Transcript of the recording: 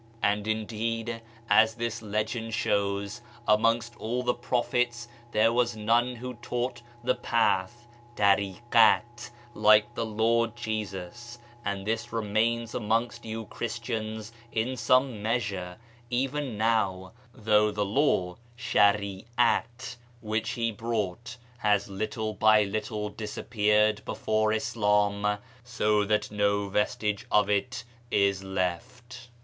And indeed, as this legend shows, amongst all the prophets there was none who taught the ' Path ' {Tarikat) like the Lord Jesus, and this remains amongst you Christians in some measure even now, though the ' Law ' {Shan at) which he brought has little by little disappeared before Islam, so that no vestige of it is left."